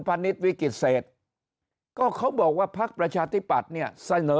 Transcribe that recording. พระนิษฐ์วิกฤษเศษก็เขาบอกว่าพรรคประชาธิบัติเนี่ยเสนอ